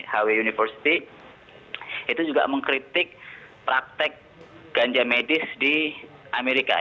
hw university itu juga mengkritik praktek ganja medis di amerika